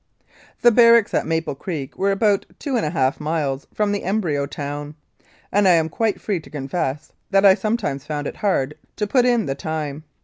The barracks at Maple Creek were about two and a half miles from the embryo town, and I am quite free to confess that I sometimes found it hard to put in the time.